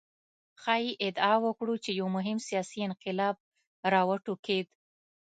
ښايي ادعا وکړو چې یو مهم سیاسي انقلاب راوټوکېد.